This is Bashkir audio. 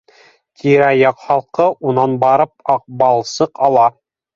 Тирә-яҡ халыҡ унан барып аҡбалсыҡ ала